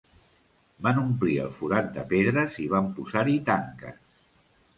Van omplir el forat de pedres i van posar-hi tanques.